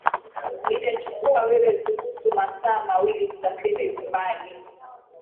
itachukua wewe kuhusu masaa mawili kusafiri umbali